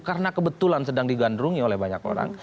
karena kebetulan sedang digandrungi oleh banyak orang